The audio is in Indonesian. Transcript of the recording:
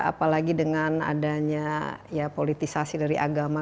apalagi dengan adanya ya politisasi dari agama